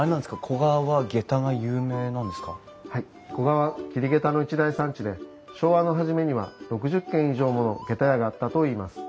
古河は桐げたの一大産地で昭和の初めには６０軒以上ものげた屋があったといいます。